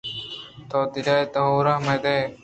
تو دل ءَ دور مہ دئے